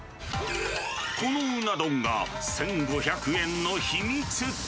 このうな丼が１５００円の秘